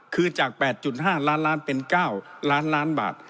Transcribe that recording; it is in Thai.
คือจาก๘๕ล้านล้านเป็น๙ล้านล้านบาท